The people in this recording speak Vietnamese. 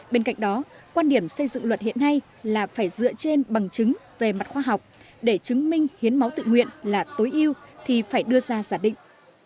bên cạnh đó quan điểm xây dựng luật hiện nay là phải dựa trên bằng chứng về mặt khoa học để chứng minh hiến máu tự nguyện là tối ưu thì phải đưa ra giả định